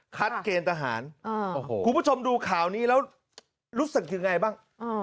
เกณฑ์ทหารคุณผู้ชมดูข่าวนี้แล้วรู้สึกยังไงบ้าง